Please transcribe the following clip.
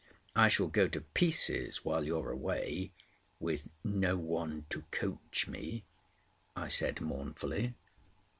I shall go to pieces while you're away—with no one to coach me," I said mournfully.